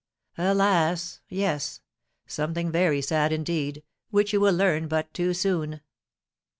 "Alas! yes, something very sad indeed, which you will learn but too soon."